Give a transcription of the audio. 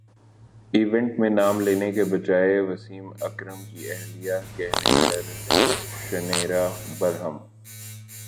event میں نام لینے کے بجائے وسیم اکرم کی اہلیہ کہنے پر شنیرا برہم